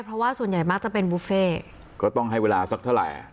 เพราะว่าส่วนใหญ่มักจะเป็นบุฟเฟ่ก็ต้องให้เวลาสักเท่าไหร่